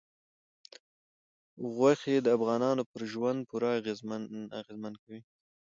غوښې د افغانانو پر ژوند پوره اغېزمن کوي.